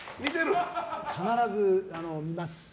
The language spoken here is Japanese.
必ず見ます。